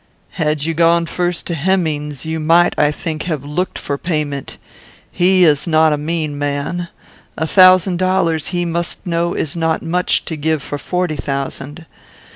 "Had you gone first to Hemmings, you might, I think, have looked for payment. He is not a mean man. A thousand dollars, he must know, is not much to give for forty thousand.